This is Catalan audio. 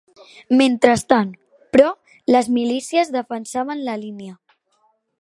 Mentrestant, però, les milícies defensaven la línia